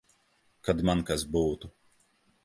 Kad man kas būtu.